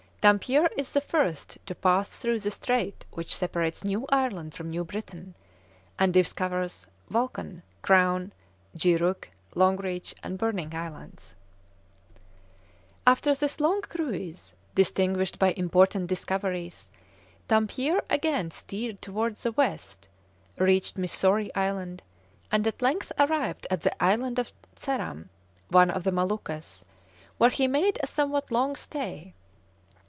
Dampier is the first to pass through the strait which separates New Ireland from New Britain, and discovers Vulcan, Crown, G. Rook, Long Reach and Burning Islands. [Illustration: Battle in Slingers' Bay.] After this long cruise, distinguished by important discoveries, Dampier again steered towards the west, reached Missory Island, and at length arrived at the Island of Ceram, one of the Moluccas, where he made a somewhat long stay.